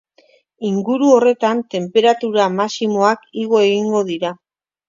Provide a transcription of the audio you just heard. Inguru horretan tenperatura maximoak igo egingo dira.